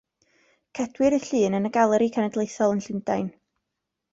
Cedwir y llun yn y Galeri Cenedlaethol yn Llundain.